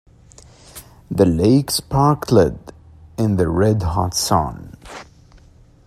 The lake sparkled in the red hot sun.